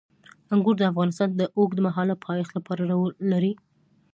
انګور د افغانستان د اوږدمهاله پایښت لپاره رول لري.